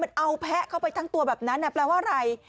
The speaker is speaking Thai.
มันเอาแพะเข้าไปทั้งตัวแบบนั้นแปลว่าอะไร